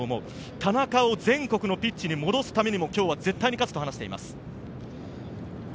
田中を全国のピッチに戻すためにも今日は絶対に勝つと話しています。